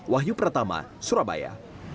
wahyu pratama surabaya